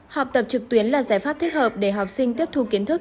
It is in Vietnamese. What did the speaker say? học tập trực tuyến là giải pháp thích hợp để học sinh tiếp thu kiến thức